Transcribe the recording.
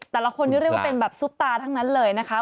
แต่ละคนนี้เรียกว่าเป็นแบบซุปตาทั้งนั้นเลยนะคะ